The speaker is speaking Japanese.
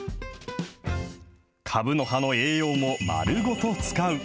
かぶの葉の栄養もまるごと使う。